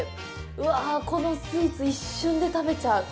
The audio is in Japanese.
うわ、このスイーツ、一瞬で食べちゃう。